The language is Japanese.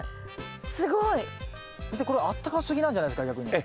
先生これあったかすぎなんじゃないですか逆に。